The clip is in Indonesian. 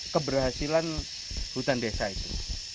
keberhasilan hutan desa itu